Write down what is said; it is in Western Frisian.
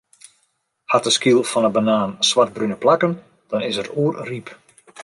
Hat de skyl fan 'e banaan swartbrune plakken, dan is er oerryp.